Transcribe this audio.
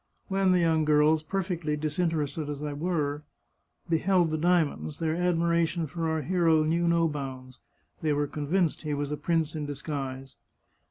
When the young girls, perfectly disinterested as they were, beheld the dia monds, their admiration for our hero knew no bounds. They were convinced he was a prince in disguise.